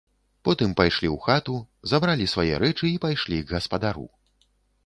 Потым пайшлі ў хату, забралі свае рэчы і пайшлі к гаспадару.